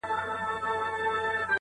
چې لنډغر ورباندي وتلي